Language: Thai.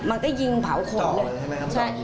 มันก็ยิงเผาโครงเลย